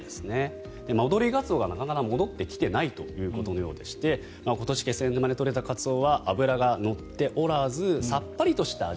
戻りガツオがなかなか戻ってきていないということで今年気仙沼で取れたカツオは脂が乗っておらずさっぱりとした味。